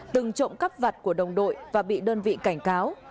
từng trộm cắp vặt của đồng đội và bị đơn vị cảnh cáo